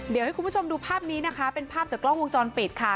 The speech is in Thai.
เดี๋ยวให้คุณผู้ชมดูภาพนี้นะคะเป็นภาพจากกล้องวงจรปิดค่ะ